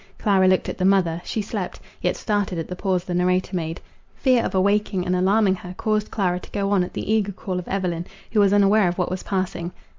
Clara looked at the mother; she slept, yet started at the pause the narrator made— Fear of awakening and alarming her, caused Clara to go on at the eager call of Evelyn, who was unaware of what was passing.